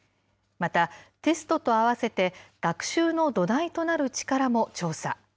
また、テストとあわせて学習の土台となる力も調査。